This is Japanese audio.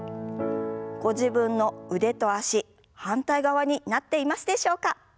ご自分の腕と脚反対側になっていますでしょうか？